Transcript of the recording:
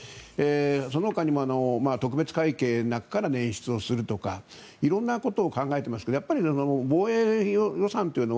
そのほかにも特別会計の中から捻出するとか色んなことを考えていますが防衛予算というのは